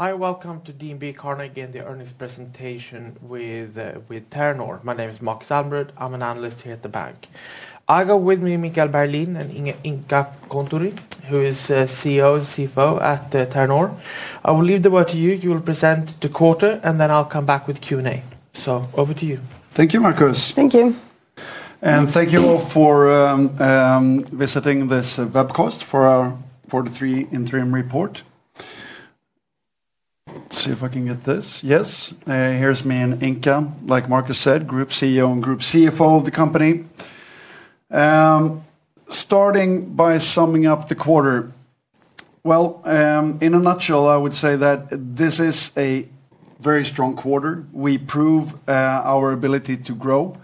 Hi, welcome to DNB Carnegie in the earnings presentation with Terranor. My name is Markus Zalmrud. I'm an analyst here at the bank. I've got with me Michael Berglin and Inka Kontturi, who is CEO and CFO at Terranor. I will leave the word to you. You will present the quarter, and then I'll come back with Q&A. Over to you. Thank you, Markus. Thank you. Thank you all for visiting this webcast for our Quarter 3 Interim Report. Let's see if I can get this. Yes, here's me and Inka, like Markus said, Group CEO and Group CFO of the company. Starting by summing up the quarter, in a nutshell, I would say that this is a very strong quarter. We prove our ability to grow.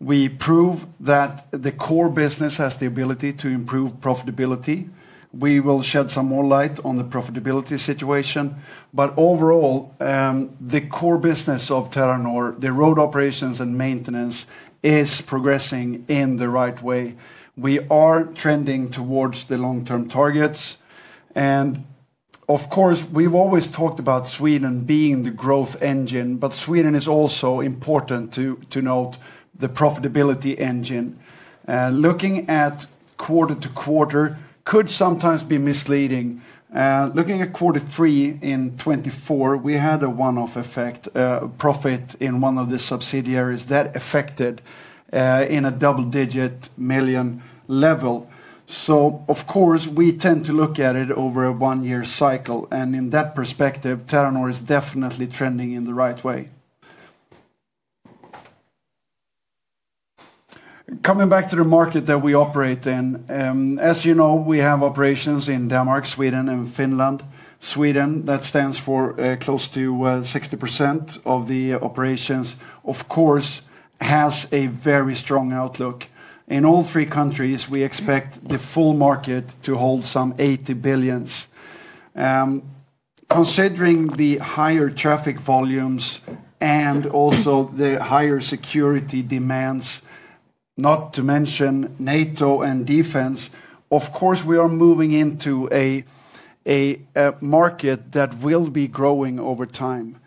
We prove that the core business has the ability to improve profitability. We will shed some more light on the profitability situation. Overall, the core business of Terranor, the road operations and maintenance, is progressing in the right way. We are trending towards the long-term targets. Of course, we've always talked about Sweden being the growth engine, but Sweden is also important to note the profitability engine. Looking at quarter to quarter could sometimes be misleading. Looking at quarter three in 2024, we had a one-off effect, profit in one of the subsidiaries that affected in a double-digit million level. Of course, we tend to look at it over a one-year cycle. In that perspective, Terranor is definitely trending in the right way. Coming back to the market that we operate in, as you know, we have operations in Denmark, Sweden, and Finland. Sweden, that stands for close to 60% of the operations, of course, has a very strong outlook. In all three countries, we expect the full market to hold some 80 billion. Considering the higher traffic volumes and also the higher security demands, not to mention NATO and defense, of course, we are moving into a market that will be growing over time.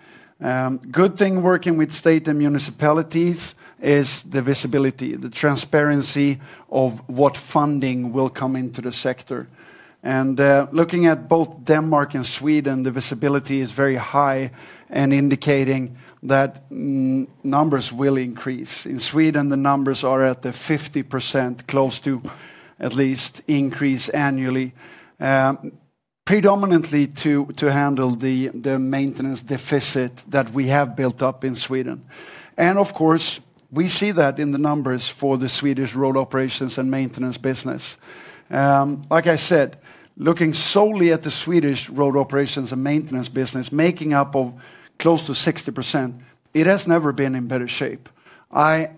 Good thing working with state and municipalities is the visibility, the transparency of what funding will come into the sector. Looking at both Denmark and Sweden, the visibility is very high and indicating that numbers will increase. In Sweden, the numbers are at the 50%, close to at least increase annually, predominantly to handle the maintenance deficit that we have built up in Sweden. Of course, we see that in the numbers for the Swedish road operations and maintenance business. Like I said, looking solely at the Swedish road operations and maintenance business, making up close to 60%, it has never been in better shape. I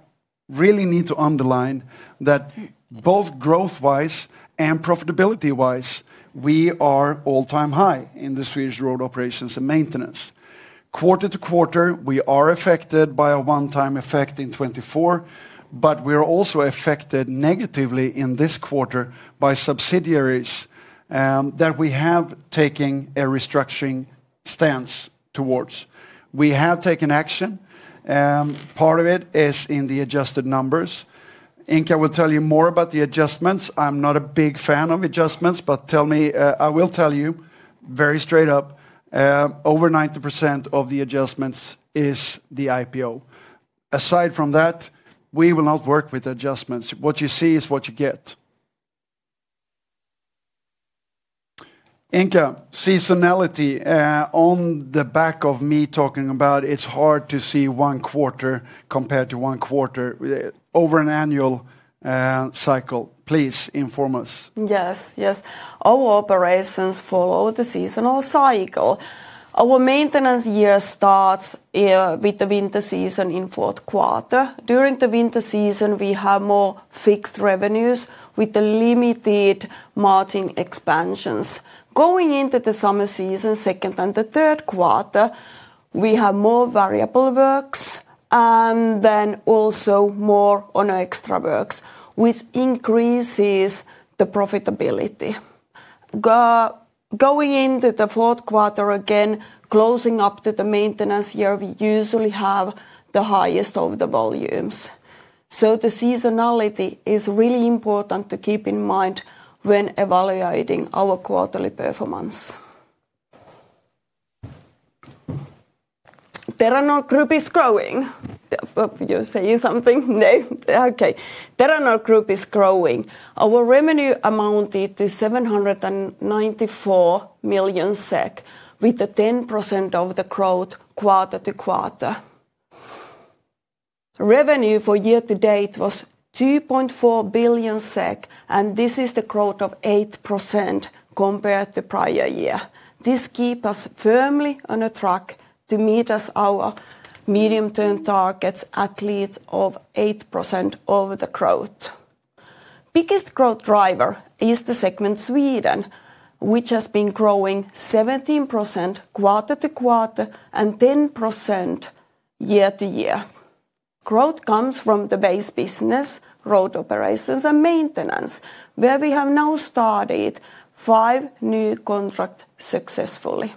really need to underline that both growth-wise and profitability-wise, we are all-time high in the Swedish road operations and maintenance. Quarter to quarter, we are affected by a one-time effect in 2024, but we are also affected negatively in this quarter by subsidiaries that we have taken a restructuring stance towards. We have taken action. Part of it is in the adjusted numbers. Inka will tell you more about the adjustments. I'm not a big fan of adjustments, but tell me, I will tell you very straight up, over 90% of the adjustments is the IPO. Aside from that, we will not work with adjustments. What you see is what you get. Inka, seasonality on the back of me talking about it's hard to see one quarter compared to one quarter over an annual cycle. Please inform us. Yes, yes. Our operations follow the seasonal cycle. Our maintenance year starts with the winter season in fourth quarter. During the winter season, we have more fixed revenues with limited margin expansions. Going into the summer season, second and the third quarter, we have more variable works and then also more on extra works, which increases the profitability. Going into the fourth quarter again, closing up to the maintenance year, we usually have the highest of the volumes. The seasonality is really important to keep in mind when evaluating our quarterly performance. Terranor Group is growing. You're saying something? Okay. Terranor Group is growing. Our revenue amounted to 794 million SEK with 10% of the growth quarter to quarter. Revenue for year to date was 2.4 billion SEK, and this is the growth of 8% compared to the prior year. This keeps us firmly on a track to meet our medium-term targets at least of 8% of the growth. Biggest growth driver is the segment Sweden, which has been growing 17% quarter to quarter and 10% year to year. Growth comes from the base business, road operations and maintenance, where we have now started five new contracts successfully.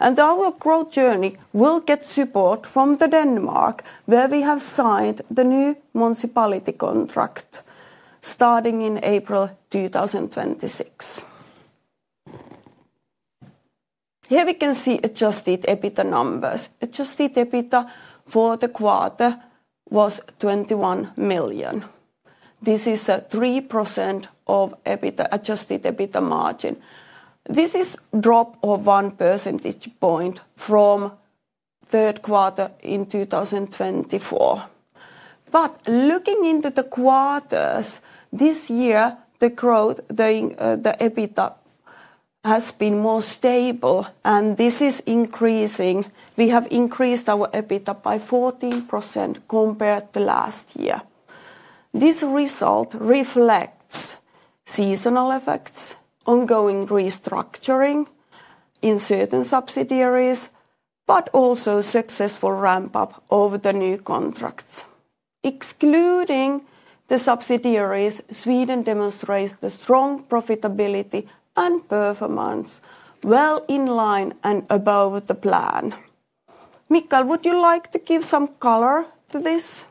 Our growth journey will get support from Denmark, where we have signed the new municipality contract starting in April 2026. Here we can see adjusted EBITDA numbers. Adjusted EBITDA for the quarter was 21 million. This is 3% of adjusted EBITDA margin. This is a drop of one percentage point from third quarter in 2024. Looking into the quarters, this year the growth, the EBITDA has been more stable, and this is increasing. We have increased our EBITDA by 14% compared to last year. This result reflects seasonal effects, ongoing restructuring in certain subsidiaries, but also successful ramp-up of the new contracts. Excluding the subsidiaries, Sweden demonstrates the strong profitability and performance, well in line and above the plan. Michael, would you like to give some color to this?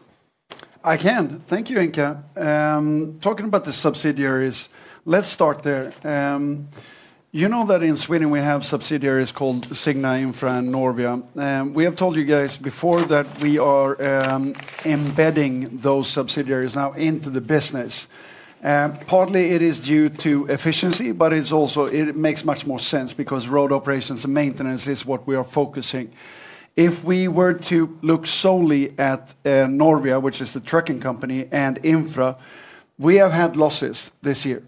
I can. Thank you, Inka. Talking about the subsidiaries, let's start there. You know that in Sweden we have subsidiaries called Signa Infra and Norvia. We have told you guys before that we are embedding those subsidiaries now into the business. Partly it is due to efficiency, but it makes much more sense because road operations and maintenance is what we are focusing. If we were to look solely at Norvia, which is the trucking company, and Infra, we have had losses this year.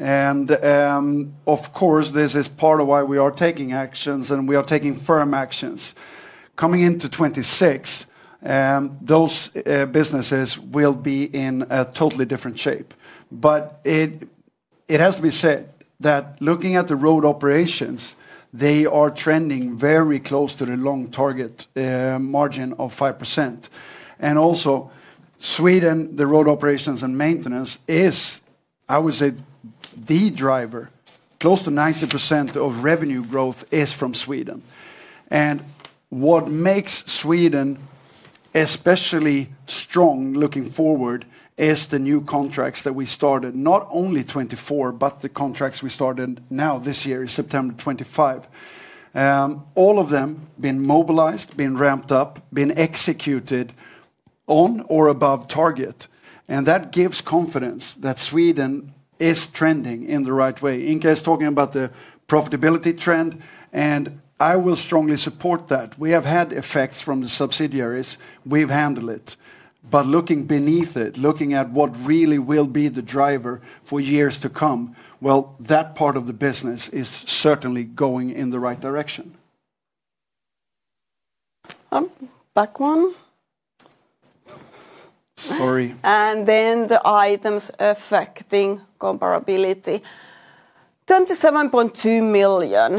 Of course, this is part of why we are taking actions and we are taking firm actions. Coming into 2026, those businesses will be in a totally different shape. It has to be said that looking at the road operations, they are trending very close to the long target margin of 5%. Also, Sweden, the road operations and maintenance is, I would say, the driver. Close to 90% of revenue growth is from Sweden. What makes Sweden especially strong looking forward is the new contracts that we started, not only 2024, but the contracts we started now this year in September 2025. All of them have been mobilized, been ramped up, been executed on or above target. That gives confidence that Sweden is trending in the right way. Inka is talking about the profitability trend, and I will strongly support that. We have had effects from the subsidiaries. We have handled it. Looking beneath it, looking at what really will be the driver for years to come, that part of the business is certainly going in the right direction. Back one. Sorry. The items affecting comparability, 27.2 million.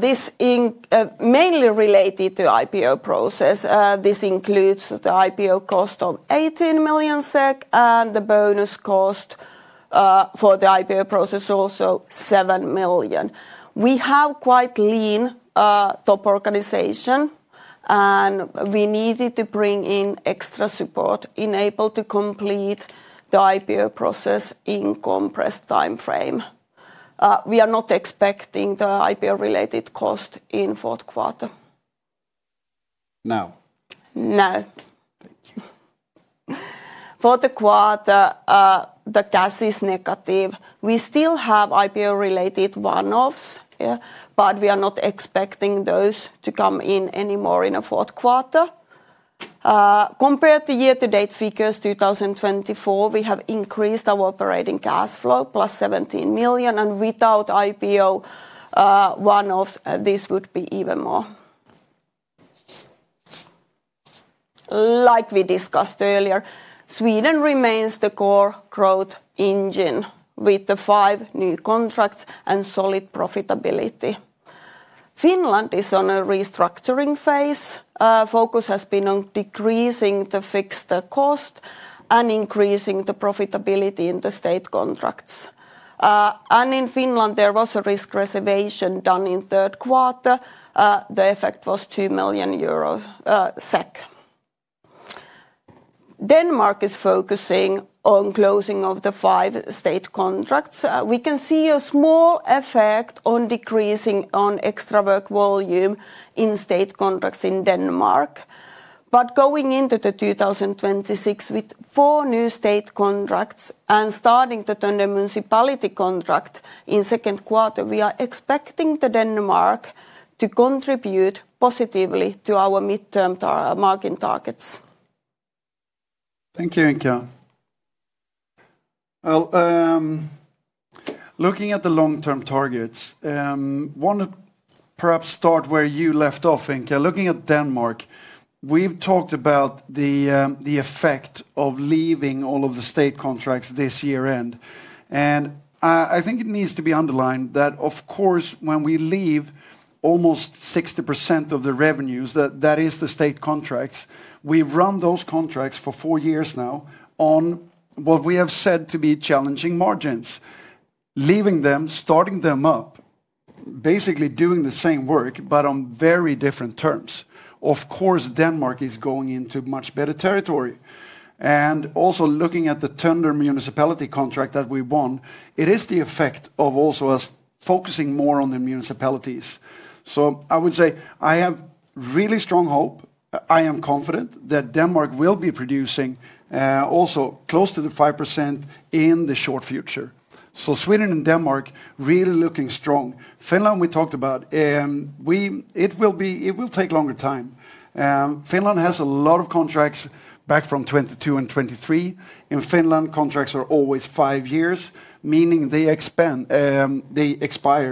This is mainly related to the IPO process. This includes the IPO cost of 18 million SEK and the bonus cost for the IPO process, also 7 million. We have quite lean top organization, and we needed to bring in extra support in able to complete the IPO process in compressed timeframe. We are not expecting the IPO-related cost in fourth quarter. Now. Now. Thank you. Fourth quarter, the cash is negative. We still have IPO-related one-offs, but we are not expecting those to come in anymore in the fourth quarter. Compared to year-to-date figures 2024, we have increased our operating cash flow plus 17 million. And without IPO one-offs, this would be even more. Like we discussed earlier, Sweden remains the core growth engine with the five new contracts and solid profitability. Finland is on a restructuring phase. Focus has been on decreasing the fixed cost and increasing the profitability in the state contracts. In Finland, there was a risk reservation done in third quarter. The effect was EUR 2 million. Denmark is focusing on closing of the five state contracts. We can see a small effect on decreasing on extra work volume in state contracts in Denmark. Going into 2026 with four new state contracts and starting to turn the municipality contract in second quarter, we are expecting Denmark to contribute positively to our midterm margin targets. Thank you, Inka. Looking at the long-term targets, I want to perhaps start where you left off, Inka. Looking at Denmark, we have talked about the effect of leaving all of the state contracts this year end. I think it needs to be underlined that, of course, when we leave almost 60% of the revenues, that is the state contracts, we have run those contracts for four years now on what we have said to be challenging margins. Leaving them, starting them up, basically doing the same work, but on very different terms. Of course, Denmark is going into much better territory. Also looking at the Tender municipality contract that we won, it is the effect of also us focusing more on the municipalities. I would say I have really strong hope. I am confident that Denmark will be producing also close to the 5% in the short future. Sweden and Denmark really looking strong. Finland, we talked about, it will take longer time. Finland has a lot of contracts back from 2022 and 2023. In Finland, contracts are always five years, meaning they expire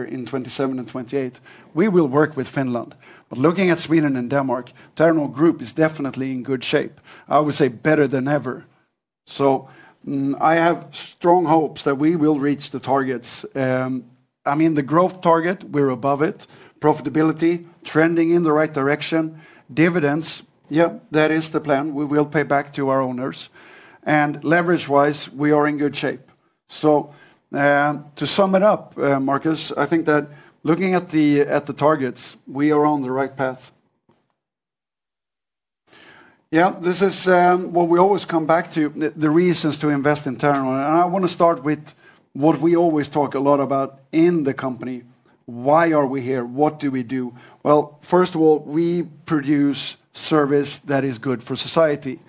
in 2027 and 2028. We will work with Finland. Looking at Sweden and Denmark, Terranor Group is definitely in good shape. I would say better than ever. I have strong hopes that we will reach the targets. I mean, the growth target, we're above it. Profitability, trending in the right direction. Dividends, yeah, that is the plan. We will pay back to our owners. Leverage-wise, we are in good shape. To sum it up, Markus, I think that looking at the targets, we are on the right path. Yeah, this is what we always come back to, the reasons to invest in Terranor. I want to start with what we always talk a lot about in the company. Why are we here? What do we do? First of all, we produce service that is good for society.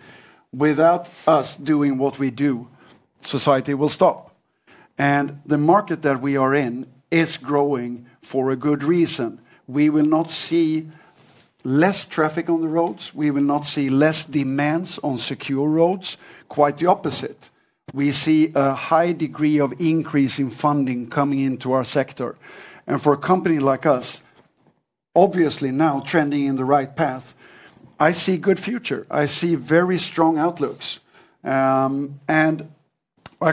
Without us doing what we do, society will stop. The market that we are in is growing for a good reason. We will not see less traffic on the roads. We will not see less demands on secure roads. Quite the opposite. We see a high degree of increase in funding coming into our sector. For a company like us, obviously now trending in the right path, I see a good future. I see very strong outlooks. Like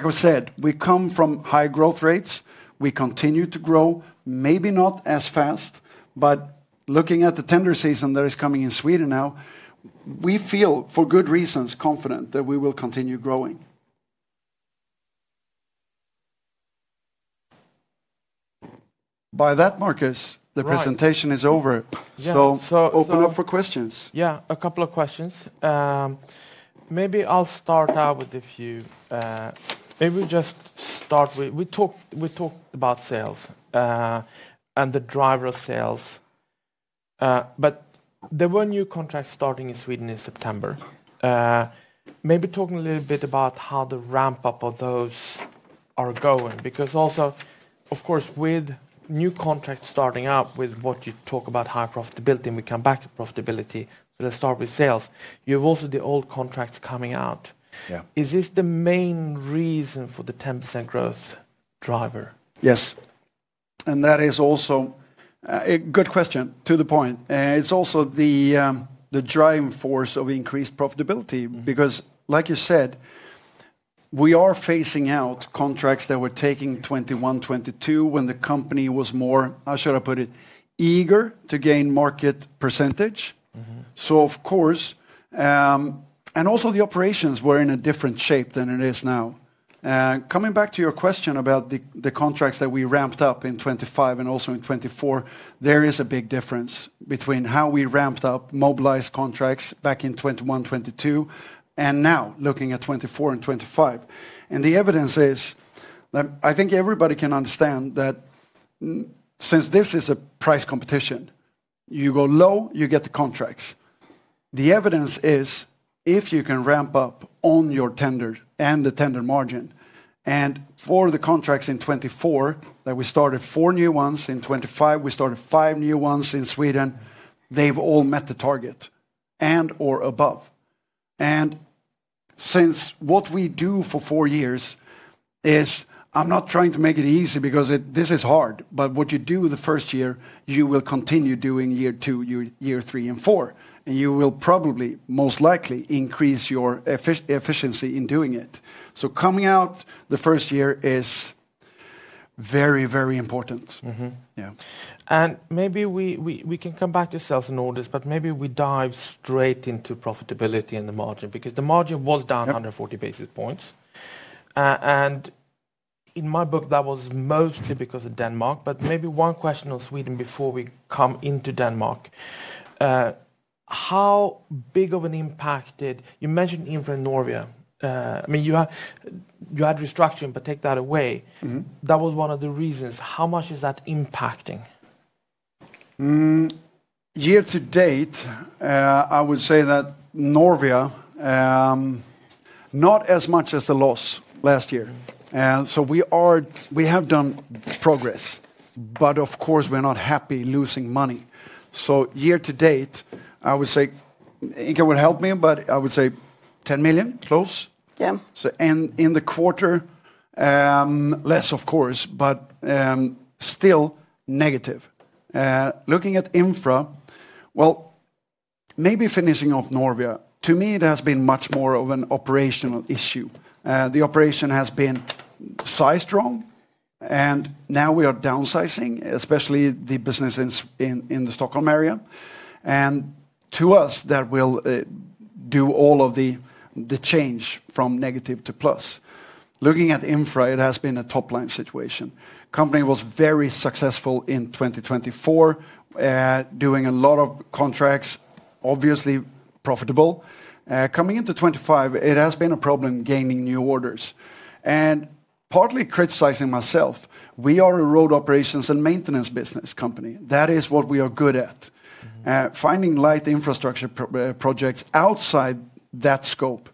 I said, we come from high growth rates. We continue to grow, maybe not as fast, but looking at the tender season that is coming in Sweden now, we feel for good reasons confident that we will continue growing. By that, Markus, the presentation is over. Open up for questions. Yeah, a couple of questions. Maybe I'll start out with a few. Maybe we just start with, we talked about sales and the driver of sales. There were new contracts starting in Sweden in September. Maybe talking a little bit about how the ramp-up of those are going. Because also, of course, with new contracts starting up, with what you talk about high profitability, and we come back to profitability, let's start with sales. You have also the old contracts coming out. Is this the main reason for the 10% growth driver? Yes. That is also a good question to the point. It is also the driving force of increased profitability. Because like you said, we are phasing out contracts that were taken in 2021, 2022 when the company was more, how should I put it, eager to gain market percentage. Of course, also the operations were in a different shape than it is now. Coming back to your question about the contracts that we ramped up in 2025 and also in 2024, there is a big difference between how we ramped up mobilized contracts back in 2021, 2022, and now looking at 2024 and 2025. The evidence is, I think everybody can understand that since this is a price competition, you go low, you get the contracts. The evidence is if you can ramp up on your tender and the tender margin. For the contracts in 2024 that we started, four new ones, in 2025, we started five new ones in Sweden, they've all met the target and/or above. Since what we do for four years is, I'm not trying to make it easy because this is hard, but what you do the first year, you will continue doing year two, year three, and four. You will probably, most likely, increase your efficiency in doing it. Coming out the first year is very, very important. Maybe we can come back to sales and orders, but maybe we dive straight into profitability and the margin. Because the margin was down 140 basis points. In my book, that was mostly because of Denmark. Maybe one question on Sweden before we come into Denmark. How big of an impact did you mention Infra Norvia. I mean, you had restructuring, but take that away. That was one of the reasons. How much is that impacting? Year to date, I would say that Norvia, not as much as the loss last year. So we have done progress, but of course, we're not happy losing money. Year to date, I would say, Inka would help me, but I would say 10 million, close. In the quarter, less of course, but still negative. Looking at Infra, maybe finishing off Norvia, to me, it has been much more of an operational issue. The operation has been sized wrong, and now we are downsizing, especially the business in the Stockholm area. To us, that will do all of the change from negative to plus. Looking at Infra, it has been a top-line situation. Company was very successful in 2024, doing a lot of contracts, obviously profitable. Coming into 2025, it has been a problem gaining new orders. Partly criticizing myself, we are a road operations and maintenance business company. That is what we are good at. Finding light infrastructure projects outside that scope,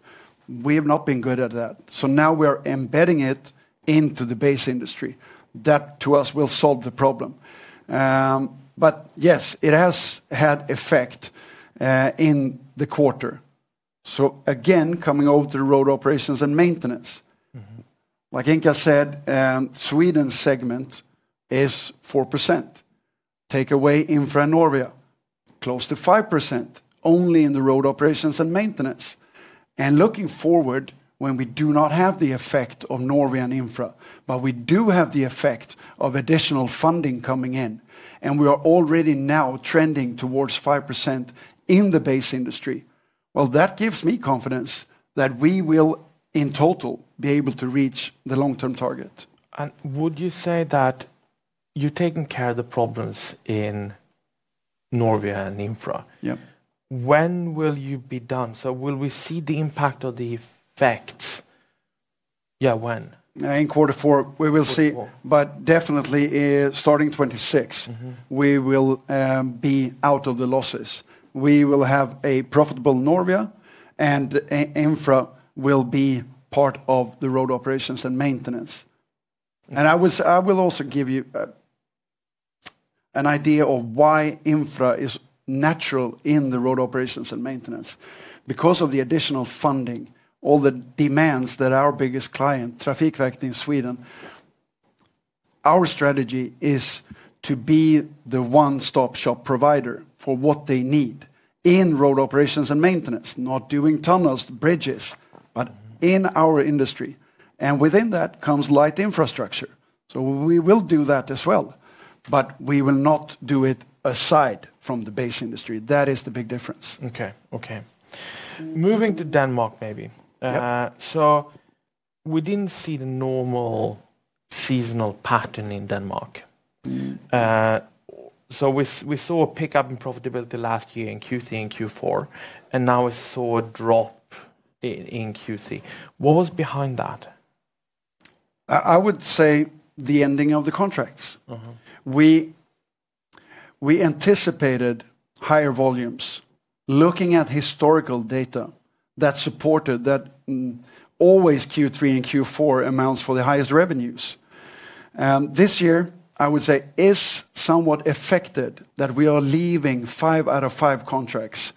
we have not been good at that. Now we are embedding it into the base industry. That to us will solve the problem. Yes, it has had effect in the quarter. Again, coming over to the road operations and maintenance. Like Inka said, Sweden segment is 4%. Take away Infra and Norvia, close to 5% only in the road operations and maintenance. Looking forward, when we do not have the effect of Norvia and Infra, but we do have the effect of additional funding coming in, and we are already now trending towards 5% in the base industry, that gives me confidence that we will in total be able to reach the long-term target. Would you say that you're taking care of the problems in Norvia and Infra? Yeah. When will you be done? So will we see the impact or the effects? Yeah, when? In quarter four, we will see. Definitely starting 2026, we will be out of the losses. We will have a profitable Norvia, and Infra will be part of the road operations and maintenance. I will also give you an idea of why Infra is natural in the road operations and maintenance. Because of the additional funding, all the demands that our biggest client, Trafikverket in Sweden, our strategy is to be the one-stop shop provider for what they need in road operations and maintenance, not doing tunnels, bridges, but in our industry. Within that comes light infrastructure. We will do that as well, but we will not do it aside from the base industry. That is the big difference. Okay, okay. Moving to Denmark maybe. We did not see the normal seasonal pattern in Denmark. We saw a pickup in profitability last year in Q3 and Q4, and now we saw a drop in Q3. What was behind that? I would say the ending of the contracts. We anticipated higher volumes, looking at historical data that supported that always Q3 and Q4 amounts for the highest revenues. This year, I would say, is somewhat affected that we are leaving five out of five contracts.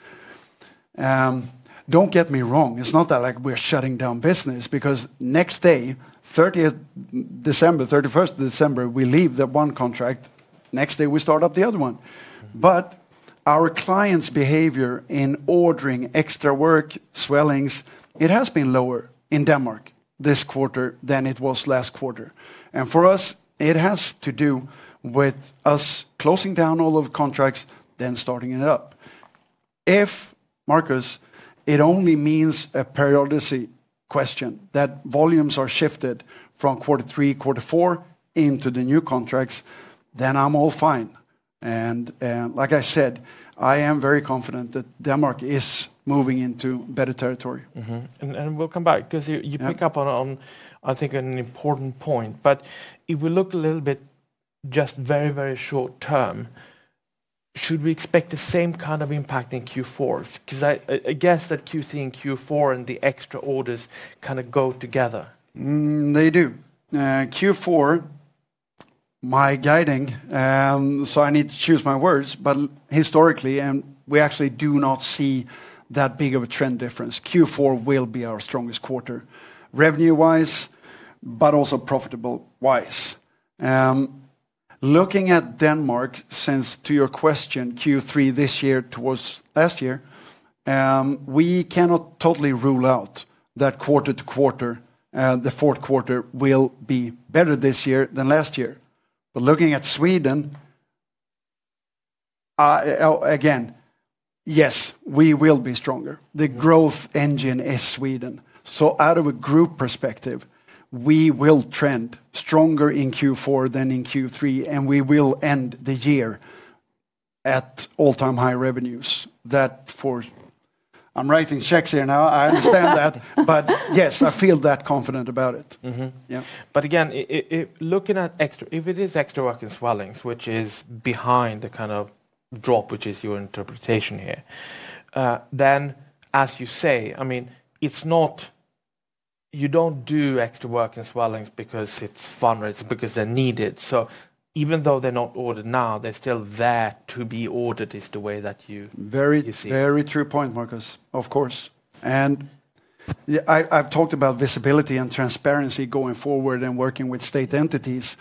Don't get me wrong, it's not that like we're shutting down business, because next day, December 31, December, we leave that one contract. Next day, we start up the other one. Our clients' behavior in ordering extra work, swellings, it has been lower in Denmark this quarter than it was last quarter. For us, it has to do with us closing down all of the contracts, then starting it up. If, Markus, it only means a periodicity question that volumes are shifted from quarter three, quarter four into the new contracts, then I'm all fine. Like I said, I am very confident that Denmark is moving into better territory. We will come back because you pick up on, I think, an important point. If we look a little bit just very, very short term, should we expect the same kind of impact in Q4? I guess that Q3 and Q4 and the extra orders kind of go together. They do. Q4, my guiding, so I need to choose my words, but historically, and we actually do not see that big of a trend difference. Q4 will be our strongest quarter, revenue-wise, but also profitable-wise. Looking at Denmark, since to your question, Q3 this year towards last year, we cannot totally rule out that quarter to quarter, the fourth quarter will be better this year than last year. Looking at Sweden, again, yes, we will be stronger. The growth engine is Sweden. Out of a group perspective, we will trend stronger in Q4 than in Q3, and we will end the year at all-time high revenues. That for I'm writing checks here now. I understand that, but yes, I feel that confident about it. Yeah. Again, looking at extra, if it is extra work and swellings, which is behind the kind of drop, which is your interpretation here, then as you say, I mean, you do not do extra work and swellings because it is fun rates, because they are needed. Even though they are not ordered now, they are still there to be ordered is the way that you see it. Very true point, Markus. Of course. I have talked about visibility and transparency going forward and working with state entities.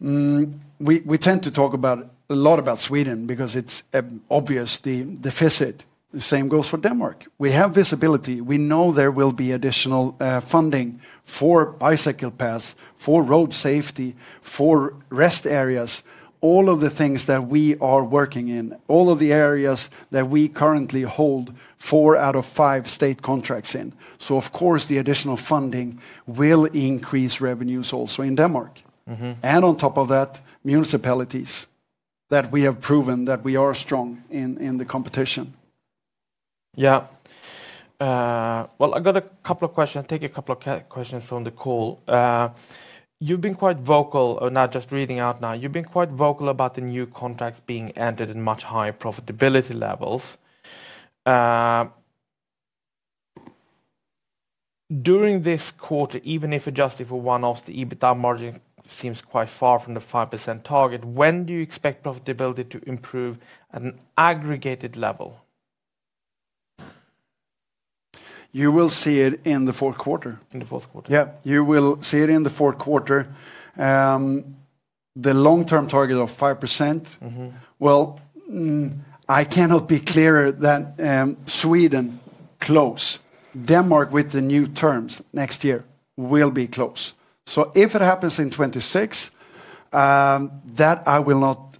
We tend to talk a lot about Sweden because it is obvious, the deficit. The same goes for Denmark. We have visibility. We know there will be additional funding for bicycle paths, for road safety, for rest areas, all of the things that we are working in, all of the areas that we currently hold four out of five state contracts in. Of course, the additional funding will increase revenues also in Denmark. On top of that, municipalities that we have proven that we are strong in the competition. Yeah. I've got a couple of questions. I'll take a couple of questions from the call. You've been quite vocal, not just reading out now. You've been quite vocal about the new contracts being entered in much higher profitability levels. During this quarter, even if adjusted for one-offs, the EBITDA margin seems quite far from the 5% target. When do you expect profitability to improve at an aggregated level? You will see it in the fourth quarter. In the fourth quarter. Yeah, you will see it in the fourth quarter. The long-term target of 5%, I cannot be clearer than Sweden close. Denmark with the new terms next year will be close. If it happens in 2026, that I will not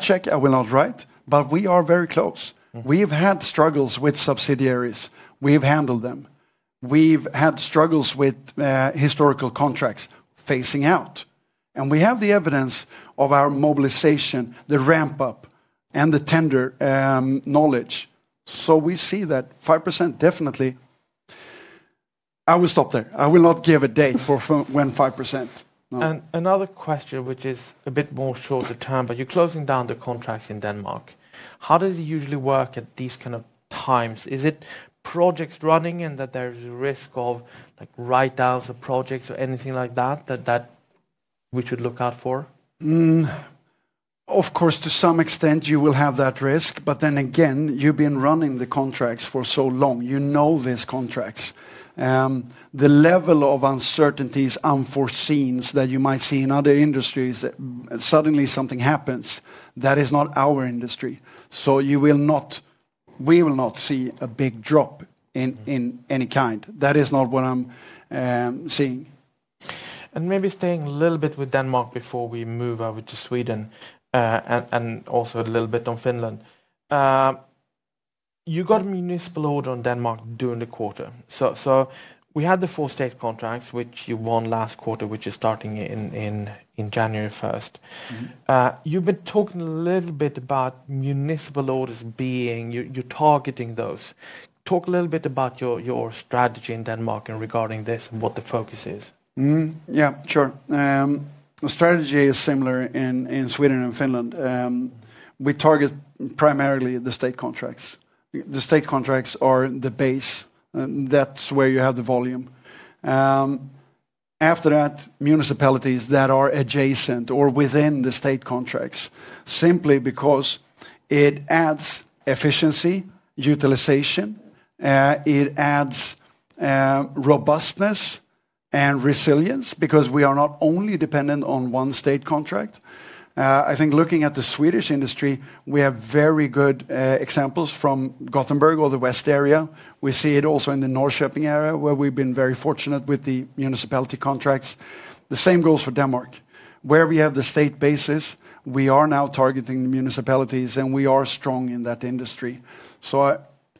check, I will not write, but we are very close. We have had struggles with subsidiaries. We have handled them. We have had struggles with historical contracts facing out. We have the evidence of our mobilization, the ramp-up, and the tender knowledge. We see that 5% definitely. I will stop there. I will not give a date for when 5%. Another question, which is a bit more shorter term, but you're closing down the contracts in Denmark. How does it usually work at these kind of times? Is it projects running and that there's a risk of write-outs of projects or anything like that that we should look out for? Of course, to some extent, you will have that risk. But then again, you've been running the contracts for so long. You know these contracts. The level of uncertainties, unforeseens that you might see in other industries, suddenly something happens that is not our industry. You will not, we will not see a big drop in any kind. That is not what I'm seeing. Maybe staying a little bit with Denmark before we move over to Sweden and also a little bit on Finland. You got municipal order on Denmark during the quarter. We had the four state contracts, which you won last quarter, which is starting in January 1. You've been talking a little bit about municipal orders being you're targeting those. Talk a little bit about your strategy in Denmark and regarding this and what the focus is. Yeah, sure. The strategy is similar in Sweden and Finland. We target primarily the state contracts. The state contracts are the base. That's where you have the volume. After that, municipalities that are adjacent or within the state contracts, simply because it adds efficiency, utilization, it adds robustness and resilience because we are not only dependent on one state contract. I think looking at the Swedish industry, we have very good examples from Gothenburg or the West area. We see it also in the Norrköping area where we've been very fortunate with the municipality contracts. The same goes for Denmark. Where we have the state basis, we are now targeting the municipalities and we are strong in that industry.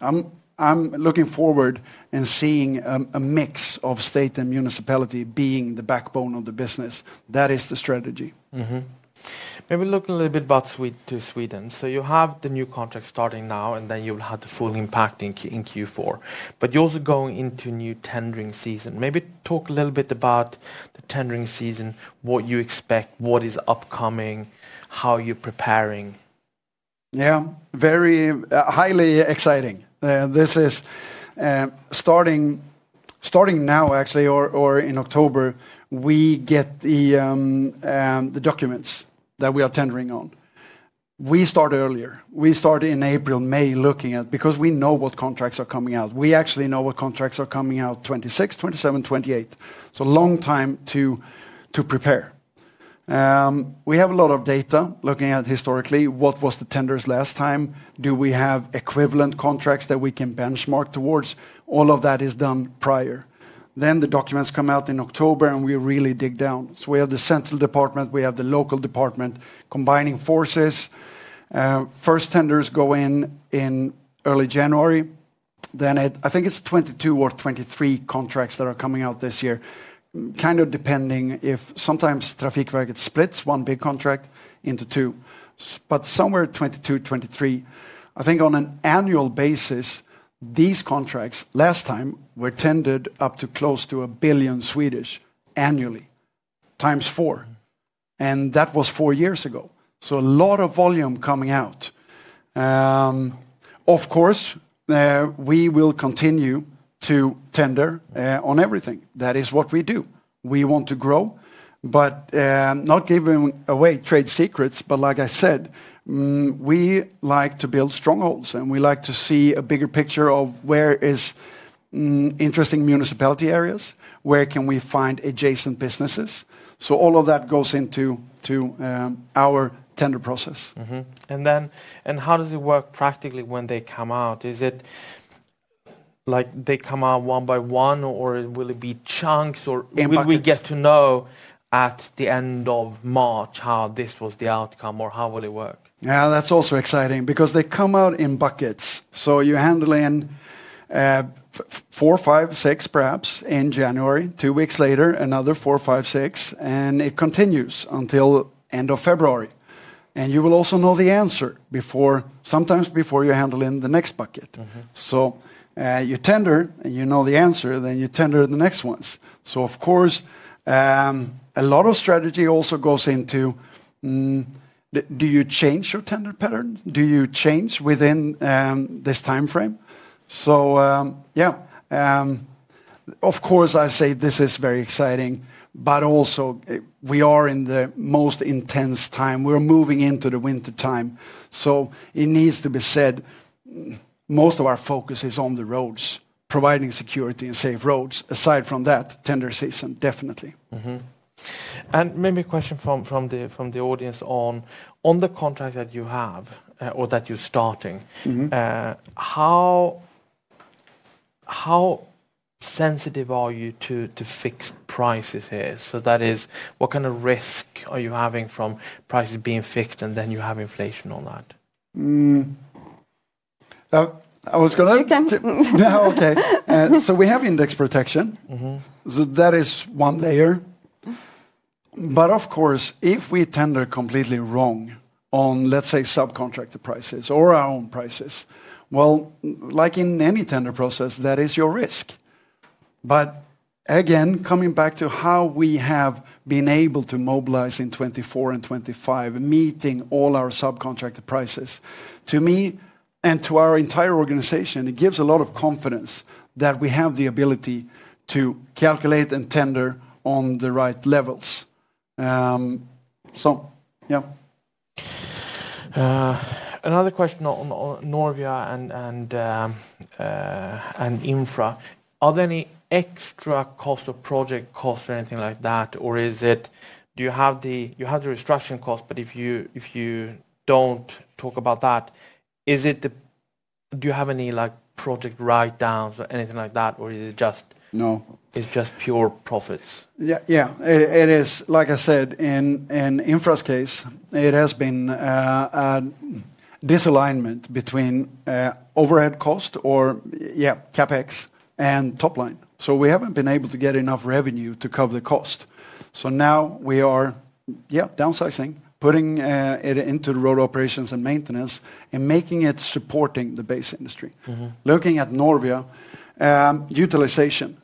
I'm looking forward and seeing a mix of state and municipality being the backbone of the business. That is the strategy. Maybe look a little bit about Sweden. You have the new contract starting now and then you'll have the full impact in Q4. You are also going into new tendering season. Maybe talk a little bit about the tendering season, what you expect, what is upcoming, how you're preparing. Yeah, very highly exciting. This is starting now actually, or in October, we get the documents that we are tendering on. We start earlier. We start in April, May looking at because we know what contracts are coming out. We actually know what contracts are coming out 2026, 2027, 2028. So long time to prepare. We have a lot of data looking at historically, what was the tenders last time? Do we have equivalent contracts that we can benchmark towards? All of that is done prior. Then the documents come out in October and we really dig down. We have the central department, we have the local department combining forces. First tenders go in in early January. I think it is 22 or 23 contracts that are coming out this year, kind of depending if sometimes Trafikverket splits one big contract into two. Somewhere in 2022, 2023, I think on an annual basis, these contracts last time were tendered up to close to 1 billion annually, times four. That was four years ago. A lot of volume coming out. Of course, we will continue to tender on everything. That is what we do. We want to grow, but not giving away trade secrets. Like I said, we like to build strongholds and we like to see a bigger picture of where is interesting municipality areas, where can we find adjacent businesses. All of that goes into our tender process. How does it work practically when they come out? Is it like they come out one by one or will it be chunks or will we get to know at the end of March how this was the outcome or how will it work? Yeah, that's also exciting because they come out in buckets. You are handling four, five, six perhaps in January, two weeks later, another four, five, six, and it continues until end of February. You will also know the answer sometimes before you are handling the next bucket. You tender and you know the answer, then you tender the next ones. Of course, a lot of strategy also goes into do you change your tender pattern? Do you change within this timeframe? Yeah, I say this is very exciting, but also we are in the most intense time. We are moving into the wintertime. It needs to be said most of our focus is on the roads, providing security and safe roads. Aside from that, tender season, definitely. Maybe a question from the audience on the contract that you have or that you're starting, how sensitive are you to fixed prices here? That is, what kind of risk are you having from prices being fixed and then you have inflation on that? I was going to. You can. Okay. We have index protection, so that is one layer. Of course, if we tender completely wrong on, let's say, subcontractor prices or our own prices, like in any tender process, that is your risk. Again, coming back to how we have been able to mobilize in 2024 and 2025, meeting all our subcontractor prices, to me and to our entire organization, it gives a lot of confidence that we have the ability to calculate and tender on the right levels. So yeah. Another question on Norvia and Infra. Are there any extra cost of project costs or anything like that? Or is it, do you have the restructuring cost, but if you do not talk about that, do you have any project write-downs or anything like that? Or is it just. No. It's just pure profits? Yeah, it is. Like I said, in Infra's case, it has been a disalignment between overhead cost or, yeah, CapEx and top line. We have not been able to get enough revenue to cover the cost. Now we are, yeah, downsizing, putting it into road operations and maintenance and making it supporting the base industry. Looking at Norvia, utilization,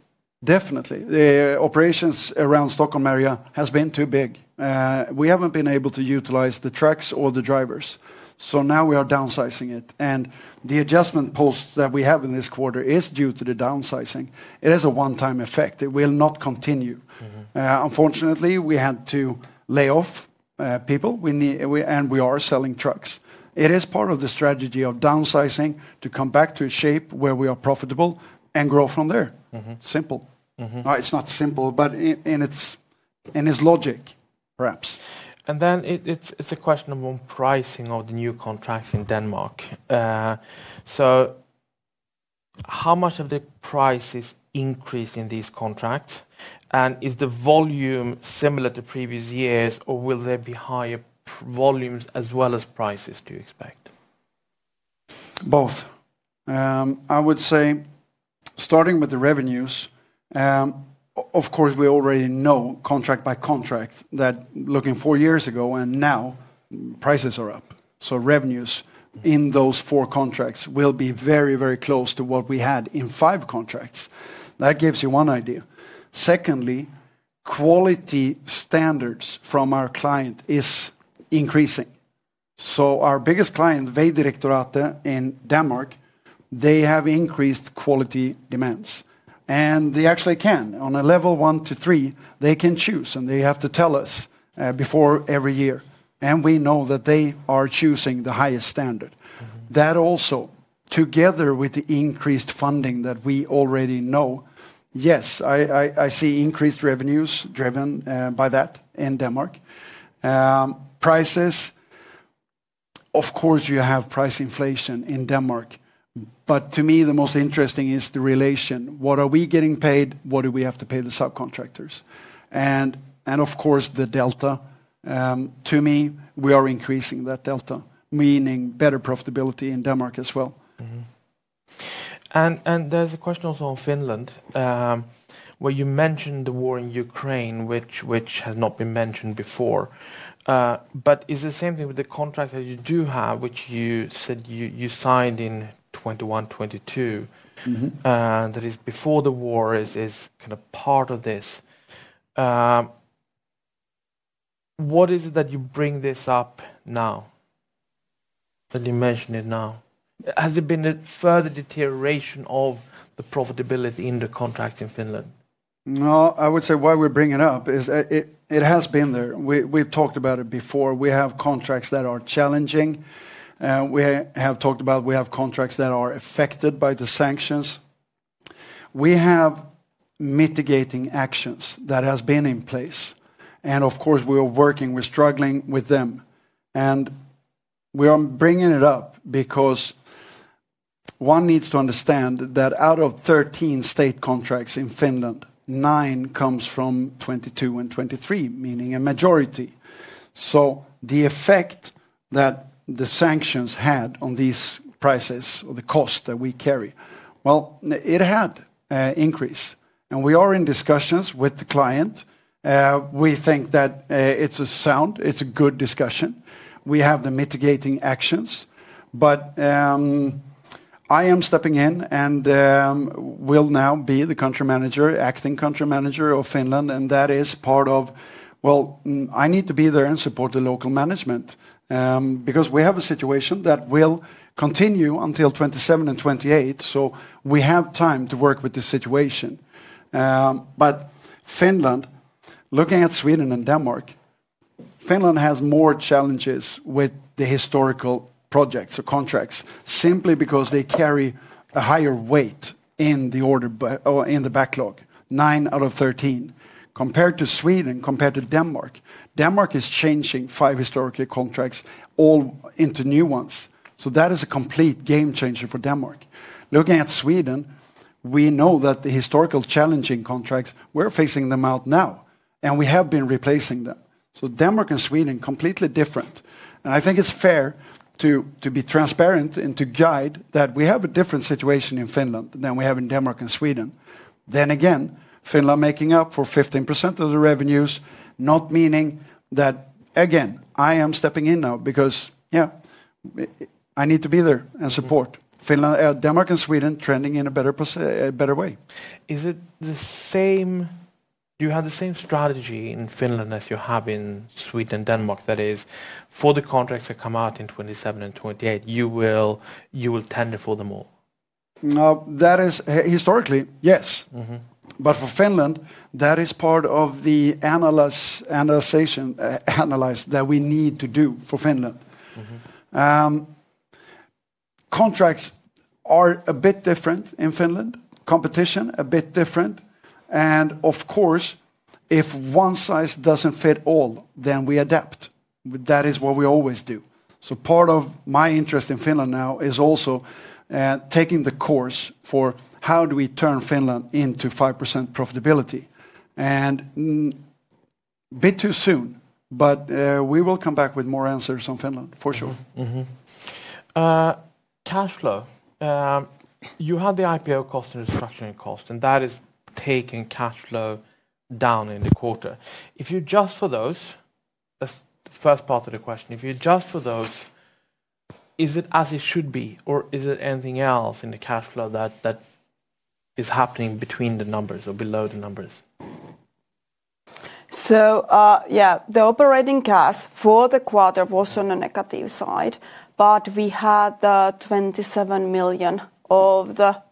definitely. The operations around Stockholm area have been too big. We have not been able to utilize the trucks or the drivers. Now we are downsizing it. The adjustment posts that we have in this quarter are due to the downsizing. It is a one-time effect. It will not continue. Unfortunately, we had to lay off people and we are selling trucks. It is part of the strategy of downsizing to come back to a shape where we are profitable and grow from there. Simple. It's not simple, but in its logic, perhaps. It is a question of pricing of the new contracts in Denmark. How much of the price is increased in these contracts? Is the volume similar to previous years or will there be higher volumes as well as prices to expect? Both. I would say starting with the revenues, of course, we already know contract by contract that looking four years ago and now prices are up. So revenues in those four contracts will be very, very close to what we had in five contracts. That gives you one idea. Secondly, quality standards from our client is increasing. So our biggest client, Vejdirektoratet in Denmark, they have increased quality demands. They actually can on a level one to three, they can choose and they have to tell us before every year. We know that they are choosing the highest standard. That also together with the increased funding that we already know, yes, I see increased revenues driven by that in Denmark. Prices, of course, you have price inflation in Denmark. To me, the most interesting is the relation. What are we getting paid? What do we have to pay the subcontractors? Of course, the delta. To me, we are increasing that delta, meaning better profitability in Denmark as well. There is a question also on Finland. You mentioned the war in Ukraine, which has not been mentioned before. Is it the same thing with the contract that you do have, which you said you signed in 2021, 2022, that is before the war is kind of part of this? What is it that you bring this up now? That you mention it now? Has it been a further deterioration of the profitability in the contract in Finland? No, I would say why we're bringing it up is it has been there. We've talked about it before. We have contracts that are challenging. We have talked about we have contracts that are affected by the sanctions. We have mitigating actions that have been in place. Of course, we are working, we're struggling with them. We are bringing it up because one needs to understand that out of 13 state contracts in Finland, nine come from 2022 and 2023, meaning a majority. The effect that the sanctions had on these prices or the cost that we carry, it had increased. We are in discussions with the client. We think that it's a sound, it's a good discussion. We have the mitigating actions. I am stepping in and will now be the Country Manager, acting Country Manager of Finland. That is part of, I need to be there and support the local management because we have a situation that will continue until 2027 and 2028. We have time to work with the situation. Finland, looking at Sweden and Denmark, Finland has more challenges with the historical projects or contracts simply because they carry a higher weight in the order in the backlog, nine out of 13. Compared to Sweden, compared to Denmark, Denmark is changing five historical contracts all into new ones. That is a complete game changer for Denmark. Looking at Sweden, we know that the historical challenging contracts, we are phasing them out now and we have been replacing them. Denmark and Sweden, completely different. I think it is fair to be transparent and to guide that we have a different situation in Finland than we have in Denmark and Sweden. Finland making up for 15% of the revenues, not meaning that again, I am stepping in now because yeah, I need to be there and support Denmark and Sweden trending in a better way. Is it the same? Do you have the same strategy in Finland as you have in Sweden and Denmark? That is, for the contracts that come out in 2027 and 2028, you will tender for them all? No, that is historically, yes. For Finland, that is part of the analysis that we need to do for Finland. Contracts are a bit different in Finland, competition a bit different. Of course, if one size does not fit all, then we adapt. That is what we always do. Part of my interest in Finland now is also taking the course for how do we turn Finland into 5% profitability. A bit too soon, but we will come back with more answers on Finland for sure. Cash flow, you have the IPO cost and restructuring cost, and that is taking cash flow down in the quarter. If you adjust for those, that's the first part of the question. If you adjust for those, is it as it should be or is there anything else in the cash flow that is happening between the numbers or below the numbers? Yeah, the operating cash for the quarter was on the negative side, but we had the 27 million of the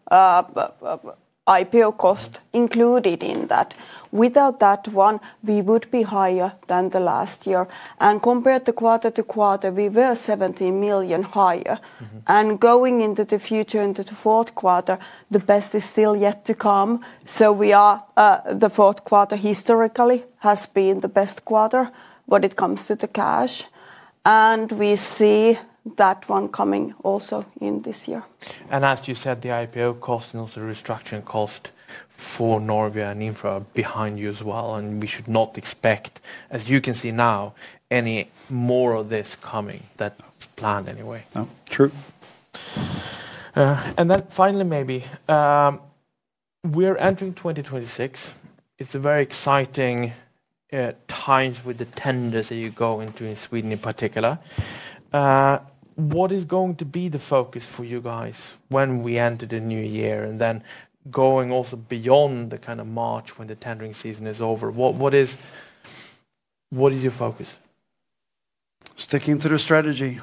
IPO cost included in that. Without that one, we would be higher than last year. Compared to quarter to quarter, we were 17 million higher. Going into the future, into the fourth quarter, the best is still yet to come. The fourth quarter historically has been the best quarter when it comes to the cash, and we see that one coming also in this year. As you said, the IPO cost and also the restructuring cost for Norvia and Infra are behind you as well. We should not expect, as you can see now, any more of this coming. That is planned anyway. True. Finally, maybe we're entering 2026. It's a very exciting time with the tenders that you go into in Sweden in particular. What is going to be the focus for you guys when we enter the new year and then going also beyond the kind of March when the tendering season is over? What is your focus? Sticking to the strategy.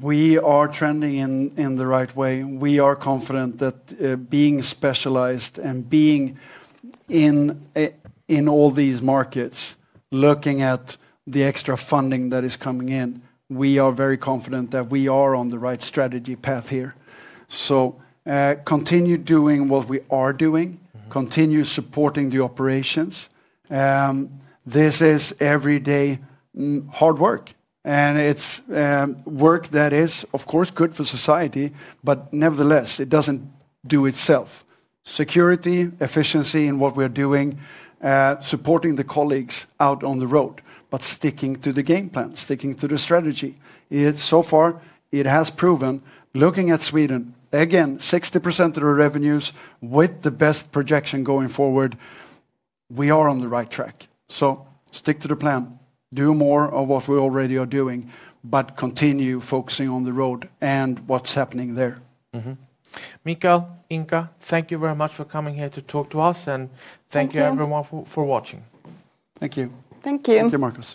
We are trending in the right way. We are confident that being specialized and being in all these markets, looking at the extra funding that is coming in, we are very confident that we are on the right strategy path here. Continue doing what we are doing, continue supporting the operations. This is everyday hard work. It is work that is, of course, good for society, but nevertheless, it does not do itself. Security, efficiency in what we are doing, supporting the colleagues out on the road, but sticking to the game plan, sticking to the strategy. So far, it has proven, looking at Sweden, again, 60% of the revenues with the best projection going forward, we are on the right track. Stick to the plan, do more of what we already are doing, but continue focusing on the road and what is happening there. Miichael, Inka, thank you very much for coming here to talk to us. Thank you everyone for watching. Thank you. Thank you. Thank you, Markus.